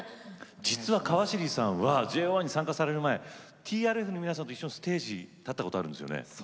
実は川尻さんはＪＯ１に参加される前ＴＲＦさんの皆さんと一緒にステージ立ったことあるんですよね？